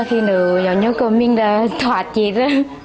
khi nữ nhỏ nhỏ của mình đã thoát chết